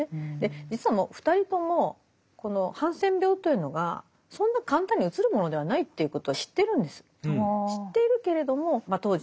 実は２人ともこのハンセン病というのがそんな簡単にうつるものではないということは知ってるんです。